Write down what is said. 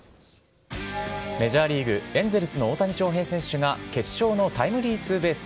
メジャーリーグ・エンゼルスの大谷翔平選手が決勝のタイムリーツーベース。